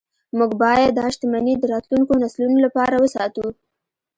موږ باید دا شتمني د راتلونکو نسلونو لپاره وساتو